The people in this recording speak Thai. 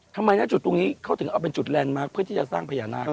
ทำไมนะจุดตรงนี้เขาถึงเอาเป็นจุดแลนดมาร์คเพื่อที่จะสร้างพญานาค